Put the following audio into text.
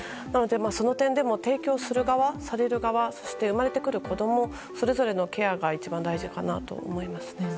その点でも提供する側される側、生まれてくる子供それぞれのケアが一番大事かなと思います。